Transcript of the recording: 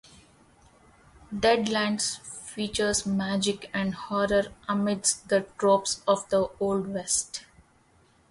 "Deadlands" features magic and horror amidst the tropes of the Old West.